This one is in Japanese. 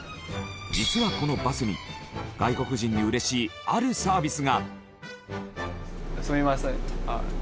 実はこのバスに外国人に嬉しいあるサービスが！